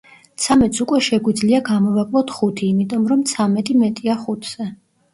ცამეტს უკვე შეგვიძლია გამოვაკლოთ ხუთი, იმიტომ, რომ ცამეტი მეტია ხუთზე.